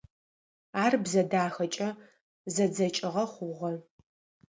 Ар бзэ дахэкӏэ зэдзэкӏыгъэ хъугъэ.